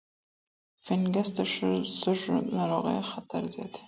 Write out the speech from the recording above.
فنګس د سږو ناروغیو خطر زیاتوي.